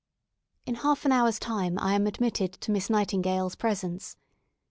In half an hour's time I am admitted to Miss Nightingale's presence.